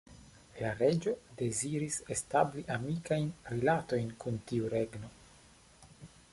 La reĝo deziris establi amikajn rilatojn kun tiu regno.